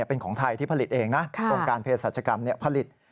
เป็นของไทยที่ผลิตเองนะองค์การเพศรัชกรรมผลิต